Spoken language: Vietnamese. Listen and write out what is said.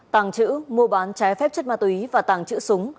tàng chữ mua bán trái phép chất ma túy và tàng chữ súng